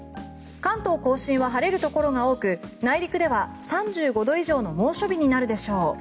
関東・甲信は晴れるところが多く内陸では３５度以上の猛暑日になるでしょう。